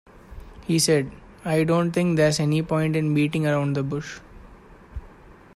He said: I don't think there's any point in beating around the bush.